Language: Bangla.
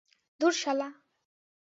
ধুর, শালা।